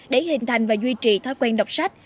để hình thành và duy trì thói quen đọc sách